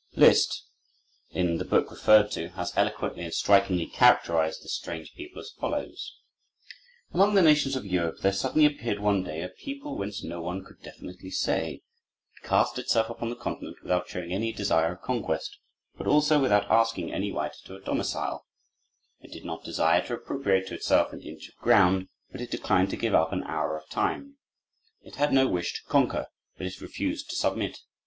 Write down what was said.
Liszt, in the book referred to, has eloquently and strikingly characterized this strange people, as follows: "Among the nations of Europe there suddenly appeared one day a people, whence no one could definitely say. It cast itself upon the Continent without showing any desire of conquest, but also without asking any right to a domicile. It did not desire to appropriate to itself an inch of ground, but it declined to give up an hour of time. It had no wish to conquer, but it refused to submit.